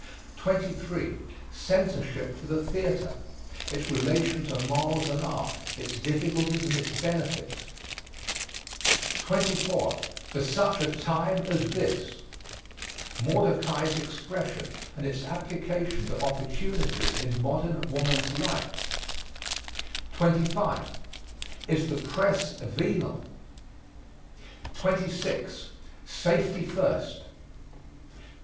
23. CENSORSHIP FOR THE THEATRE. Its relation to morals and art. Its difficulties and its benefits. 24. FOR SUCH A TIME AS THIS. Mordecai's expression and its application to opportunities in modern woman's life. 25. IS THE PRESS VENAL? 26. SAFETY FIRST. 27.